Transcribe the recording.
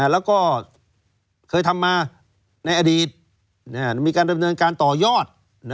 แล้วก็เคยทำมาในอดีตมีการดำเนินการต่อยอด